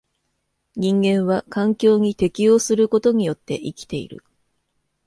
人間は環境に適応することによって生きている。